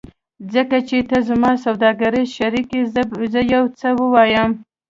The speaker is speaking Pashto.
ځکه چې ته زما سوداګریز شریک یې زه یو څه وایم